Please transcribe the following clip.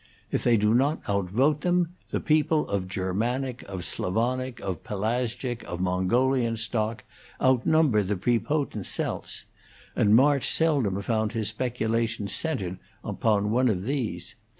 If they do not outvote them, the people of Germanic, of Slavonic, of Pelasgic, of Mongolian stock outnumber the prepotent Celts; and March seldom found his speculation centred upon one of these.